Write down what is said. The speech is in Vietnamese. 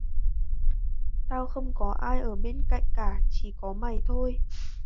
tao không có ai ở bên cạnh cả chỉ có mày thôi